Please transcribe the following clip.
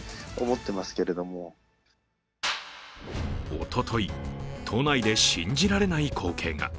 おととい、都内で信じられない光景が。